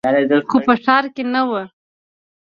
خو په ښار کښې نه.